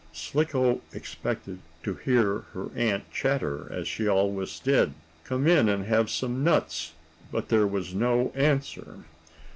Slicko expected to hear her aunt chatter, as she always did: "Come in and have some nuts!" But there was no answer.